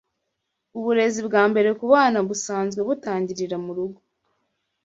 Uburezi bwambere kubana busanzwe butangirira murugo